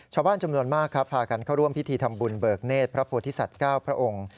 ชาวบ้านจำนวนมากครับพากันเข้าร่วมพิธีทำบุญเบิกเนธพระโพธิสัตว์๙พระองค์